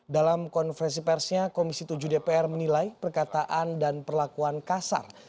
dalam konferensi persnya komisi tujuh dpr menilai perkataan dan perlakuan kasar